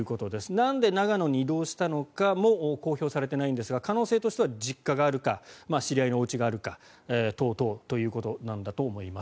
なんで長野に移動したのかも公表されていないんですが可能性としては実家があるか知り合いのおうちがあるか等々ということなんだと思います。